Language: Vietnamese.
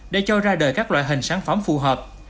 để cho ra đời các loại hình sản phẩm phù hợp